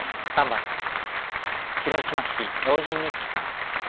３番です。